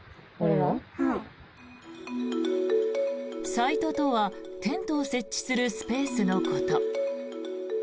サイトとはテントを設置するスペースのこと。